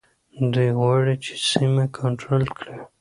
دوی غواړي چي سیمه کنټرول کړي.